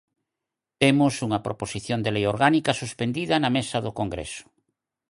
Temos unha proposición de lei orgánica suspendida na Mesa do Congreso.